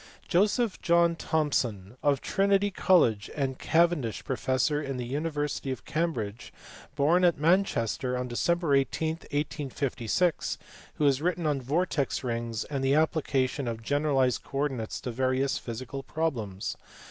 Joseph John Thomson, of Trinity College, and Cavendish professor in the university of Cambridge, born at Manchester on Dec. 18, 1856, who has written on vortex rings and the application of generalized coordinates to various physical problems.